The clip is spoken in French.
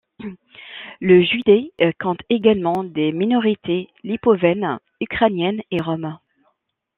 Le județ compte également des minorités lipovènes, ukrainiennes et roms.